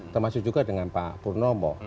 termasuk juga dengan pak purnomo